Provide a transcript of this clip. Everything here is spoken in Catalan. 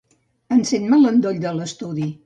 Encén-me l'endoll de l'estudi.